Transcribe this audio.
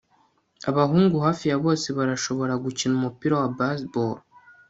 Abahungu hafi ya bose barashobora gukina umupira wa baseball